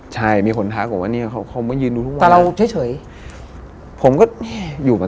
ใช่มีคนทักบอกว่านี่เขาไปยืนดูทุกวัน